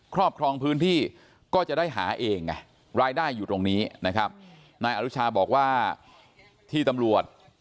ครอบครองพื้นที่ก็จะได้หาเองไงรายได้อยู่ตรงนี้นะครับนายอนุชาบอกว่าที่ตำรวจ